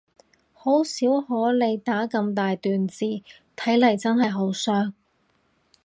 好少可你打咁大段字，睇嚟真係好傷